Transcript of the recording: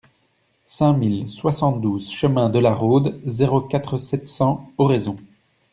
sept mille soixante-douze chemin de la Rhôde, zéro quatre, sept cents, Oraison